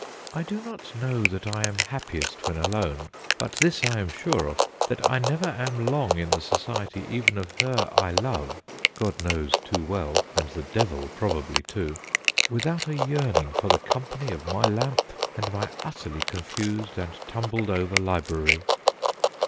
' I do not know that I am happiest when alone ; but this I am sure of, that I never am long in the society even of her I love (God knows too well, and the devil probably too), without a yearning for the company of my lamp and my utterly confused and tumbled over library.'